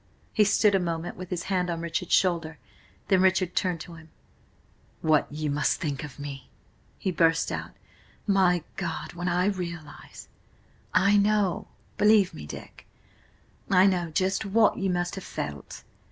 He stood a moment with his hand on Richard's shoulder; then Richard turned to him "What you must think of me!" he burst out. "My God, when I realise—" "I know. Believe me, Dick, I know just what you must have felt.